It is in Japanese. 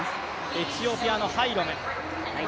エチオピアのハイロム。